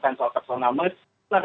personal meskipun ada masalah personal